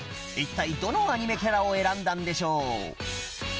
一体どのアニメキャラを選んだんでしょう？